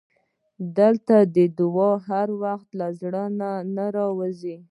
• ته د دعا هر وخت له زړه نه راووځې.